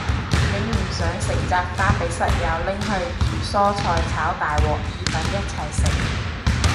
影完相成紮花俾室友拎去煮蔬菜炒大鑊意粉一齊食